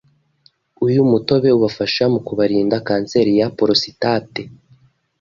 uyu mutobe ubafasha mu kubarinda kanseri ya porositate